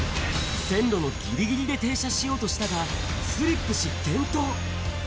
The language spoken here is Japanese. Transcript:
線路のぎりぎりで停車しようとしたが、スリップし、転倒。